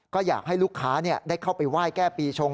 ก็อยากให้ลูกค้าได้เข้าไปไหว้แก้ปีชง